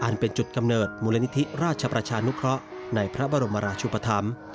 เป็นจุดกำเนิดมูลนิธิราชประชานุเคราะห์ในพระบรมราชุปธรรม